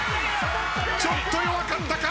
ちょっと弱かったか。